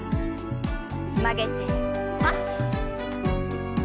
曲げてパッ。